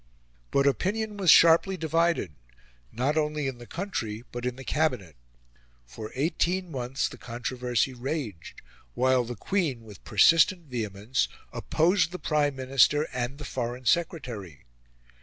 But opinion was sharply divided, not only in the country but in the Cabinet. For eighteen months the controversy raged; while the Queen, with persistent vehemence, opposed the Prime Minister and the Foreign Secretary.